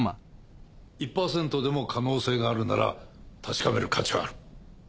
１％でも可能性があるなら確かめる価値はある。